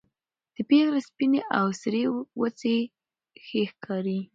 د پېغلې سپينې او سرې وڅې ښې ښکاري